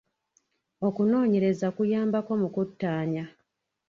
Okunoonyeraza kuyambako mu kuttaanya.